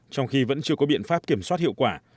trong khi vẫn chưa có biện pháp kiểm soát hiệu quả